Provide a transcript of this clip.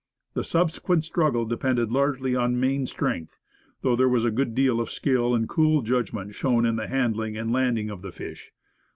The sub sequent struggle depended largely on main strength, though there was a good deal of skill and cool judg ment shown in the handling and landing of the fish.